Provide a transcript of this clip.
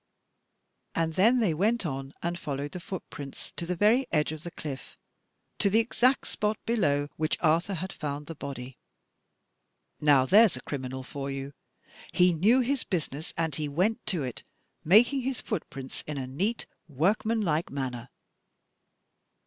And then they went on and followed the footprints to the very edge of the cliff, to "the exact spot, below which Arthur had found the body!" Now there's a criminal for you! He knew his business, and he went to it, making his footprints in a neat, workmanlike manner.